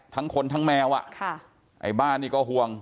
ทั้งคนทั้งแมวไอ้บ้านนี่ก็ห่วง